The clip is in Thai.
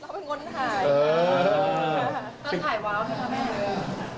แต่ต้องถ่ายว้าวทำไม